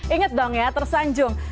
ingat dong ya tersanjung